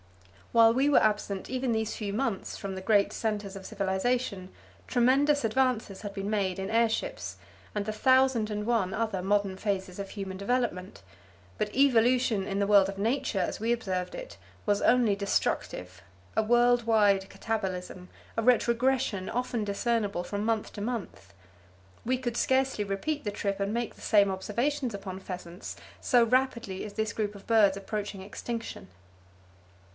While we were absent even these few months from the great centers of civilization, tremendous advances had been made in air ships and the thousand and one other modern phases of human development, but evolution in the world of Nature as we observed it was only destructive—a world wide katabolism—a retrogression often discernible from month to month. We could scarcely repeat the trip and make the same observations upon pheasants, so rapidly is this group of birds approaching extinction.